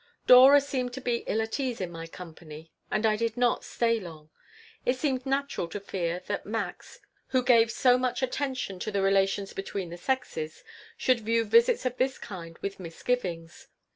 Dora seemed to be ill at ease in my company, and I did not stay long. It seemed natural to fear that Max, who gave so much attention to the relations between the sexes, should view visits of this kind with misgivings.